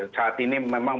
saat ini memang